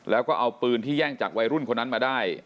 แล้วก็เอาปืนที่แย่งจากวัยรุ่นคนนั้นมาได้